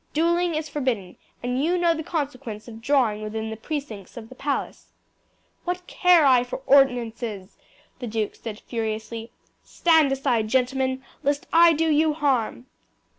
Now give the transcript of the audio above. Duelling is forbidden, and you know the consequence of drawing within the precincts of the palace." "What care I for ordinances!" the duke said furiously. "Stand aside, gentlemen, lest I do you harm!"